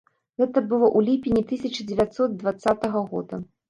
Гэта было ў ліпені тысяча дзевяцьсот дваццатага года.